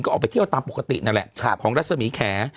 ก็ออกไปเที่ยวตามปกตินั่นแหละของรัศมีแข